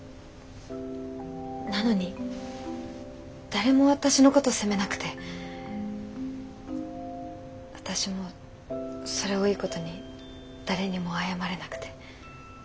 なのに誰も私のこと責めなくて私もそれをいいことに誰にも謝れなくて。